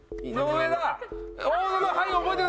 井上だ。